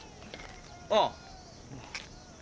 ああ。